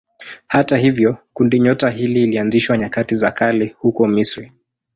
Hata hivyo kundinyota hili lilianzishwa nyakati za kale huko Misri.